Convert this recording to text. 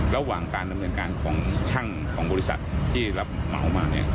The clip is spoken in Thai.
ระหว่างการดำเนินการของช่างของบริษัทที่รับเหมามา